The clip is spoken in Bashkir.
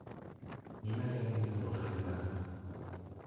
Нимәгә миңә был хазина?